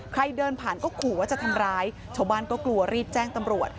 ใครเดินผ่านก็ขู่ว่าจะทำร้ายชาวบ้านก็กลัวรีบแจ้งตำรวจ